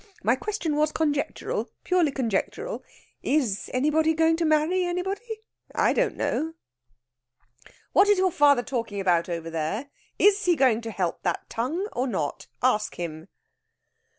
My question was conjectural purely conjectural. Is anybody going to marry anybody? I don't know." "What is your father talking about over there? Is he going to help that tongue or not? Ask him."